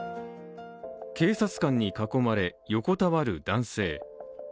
警察官に囲まれ、横たわる男性。